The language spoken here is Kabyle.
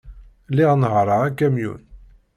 Lliɣ nehhṛeɣ akamyun.